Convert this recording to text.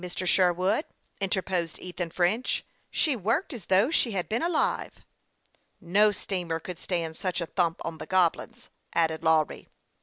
71 " She isn't to blame, Mr. Sherwood," interposed Ethan French. " She worked as well as though she had been alive." " No steamer could stand such a thump on the Goblins," added Lawry.